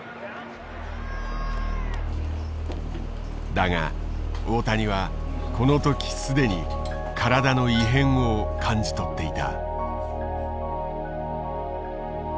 だが大谷はこの時既に体の異変を感じ取っていた。